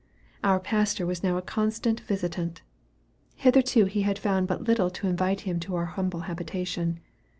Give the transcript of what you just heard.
Our pastor was now a constant visitant. Hitherto he had found but little to invite him to our humble habitation.